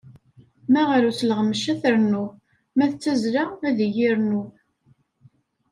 Ma ar usleɣmec, ad t-ternuɣ. Ma d tazzla, ad iyi-rnu.